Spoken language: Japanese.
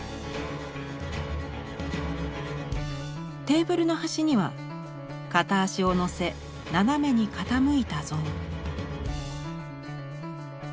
テーブルの端には片足を乗せ斜めに傾いた像。